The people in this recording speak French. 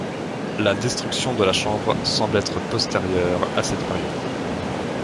La destruction de la chambre semble être postérieure à cette période.